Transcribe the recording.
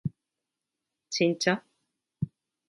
ちんちゃ？